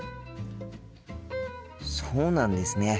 そうなんですね。